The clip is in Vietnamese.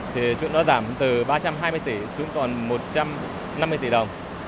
thì nó giảm từ ba trăm hai mươi tỷ xuống còn một trăm năm mươi tỷ đồng